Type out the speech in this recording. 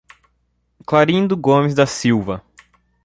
Clarindo Gomes da Silva